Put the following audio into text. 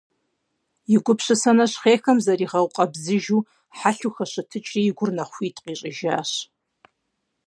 И гупсысэ нэщхъейхэм заригъэукъэбзыжу, хьэлъэу хэщэтыкӀри и гур нэхъ хуит къищӀыжащ.